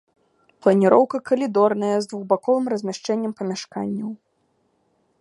Планіроўка калідорная з двухбаковым размяшчэннем памяшканняў.